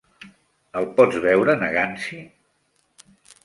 El pots veure negant-s'hi?